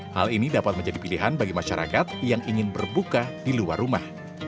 hal ini dapat menjadi pilihan bagi masyarakat yang ingin berbuka di luar rumah